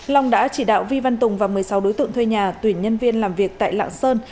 long đã chỉ đạo vi văn tùng và một mươi sáu đối tượng thuê nhà tuyển nhân viên làm việc tại lạng sơn